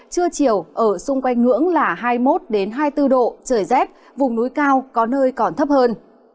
trưa chiều ở xung quanh ngưỡng là hai mươi một hai mươi bốn độ trời rét vùng núi cao có nơi còn thấp hơn